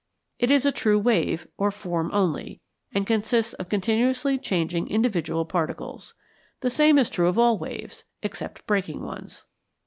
It is a true wave, or form only, and consists of continuously changing individual particles. The same is true of all waves, except breaking ones.